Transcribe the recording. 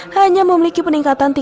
hanya memiliki peningkatan